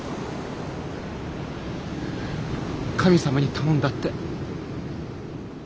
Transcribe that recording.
「神様に頼んだ」って。